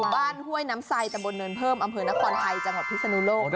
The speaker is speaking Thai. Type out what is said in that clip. บ้านห้วยน้ำไสตะบนเนินเพิ่มอำเภอนครไทยจังหวัดพิษนุโลกค่ะ